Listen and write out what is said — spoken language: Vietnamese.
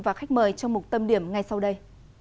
và khách mời trong một tâm điểm ngay sau đây